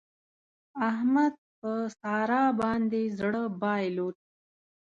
احمد په سارا باندې زړه بايلود.